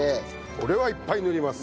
俺はいっぱい塗ります。